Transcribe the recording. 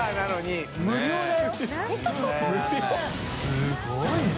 すごいな。